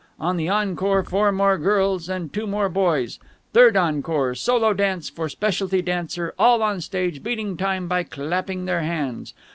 On the encore four more girls and two more boys. Third encore, solo dance for specialty dancer, all on stage beating time by clapping their hands.